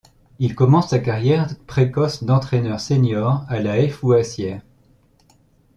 Il commence sa carrière précoce d'entraîneur Seniors à La Haye-Fouassière.